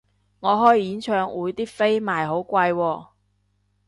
我開演唱會啲飛賣好貴喎